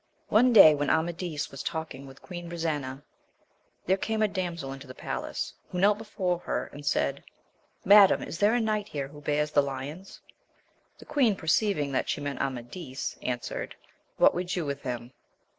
|NE day when Amadis was talking with the Queen Brisena, there came a damsel into the palace, who knelt before her and said, Madam, is there a knight here who bears the lions ? The queen, perceiving that she meant Amadis, an swered, what would you with him?